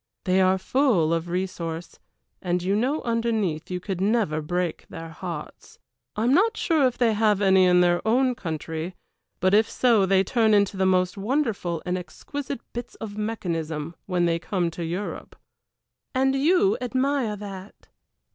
They are full of resource, and you know underneath you could never break their hearts. I am not sure if they have any in their own country, but if so they turn into the most wonderful and exquisite bits of mechanism when they come to Europe." "And you admire that."